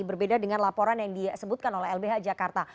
berbeda dengan laporan yang disebutkan oleh lbh jakarta